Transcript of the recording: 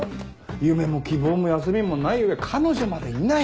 夢も希望も休みもない上彼女までいない！